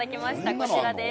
こちらです